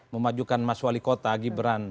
memajukan mas wali kota gibran